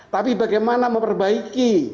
tapi bagaimana memperbaiki